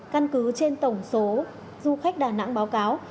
căn cứ trên tổng số du khách đà nẵng báo cáo